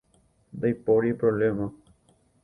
Ndaipóri problema.